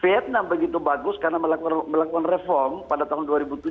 vietnam begitu bagus karena melakukan reform pada tahun dua ribu tujuh dua ribu delapan